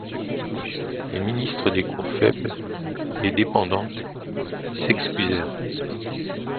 Les ministres des cours faibles et dépendantes s'excusèrent.